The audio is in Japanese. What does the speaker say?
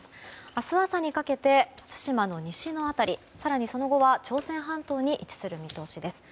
明日朝にかけて対馬の西の辺り更にその後は朝鮮半島に位置する見通しです。